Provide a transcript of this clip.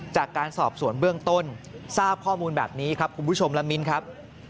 จากการสอบสวนเบื้องต้นทราบข้อมูลแบบนี้ครับคุณผู้ชมละมิ้นครับ